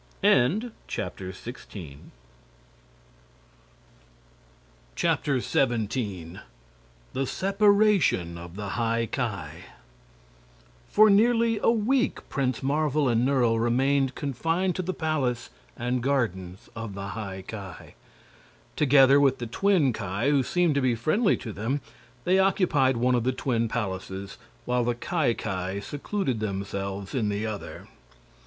17. The Separation of the High Ki For nearly a week Prince Marvel and Nerle remained confined to the palace and gardens of the High Ki. Together with the twin Ki, who seemed to be friendly to them, they occupied one of the twin palaces, while the Ki Ki secluded themselves in the other.